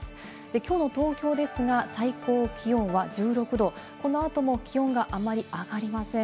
きょうの東京ですが、最高気温は１６度、この後も気温があまり上がりません。